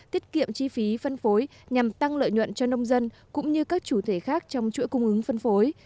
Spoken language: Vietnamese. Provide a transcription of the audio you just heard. tiết kiệm chi phí phân phối nhằm tăng lợi nhuận cho nông dân cũng như các chủ thể khác trong chuỗi cung ứng phân phối